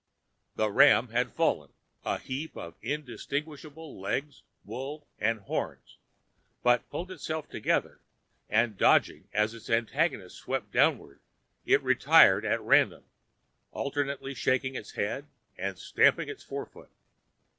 The ram had fallen, a heap of indistinguishable legs, wool and horns, but pulling itself together and dodging as its antagonist swept downward it retired at random, alternately shaking its head and stamping its fore feet.